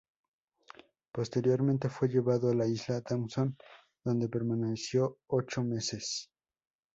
Posteriormente fue llevado a la isla Dawson, donde permaneció ocho meses.